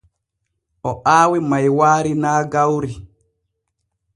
O aawi maywaari naa gawri.